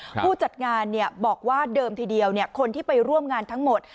ผู้จัดงานบอกว่าเดิมทีเดียวคนที่ไปร่วมงานทั้งหมด